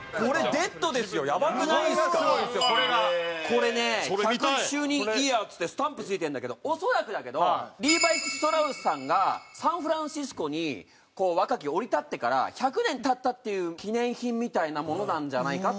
これね１００周年「ＹＥＡＲＳ」っつってスタンプ付いてるんだけど恐らくだけどリーバイ・ストラウスさんがサンフランシスコに若き降り立ってから１００年経ったっていう記念品みたいなものなんじゃないかっていわれてる。